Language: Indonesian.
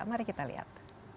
mari kita lihat